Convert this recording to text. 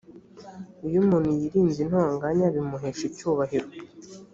iyo umuntu yirinze intonganya bimuhesha icyubahiro